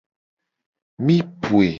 Mi poe.